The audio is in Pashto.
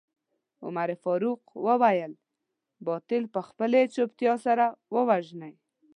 عمر فاروق وويل باطل په خپلې چوپتيا سره ووژنئ.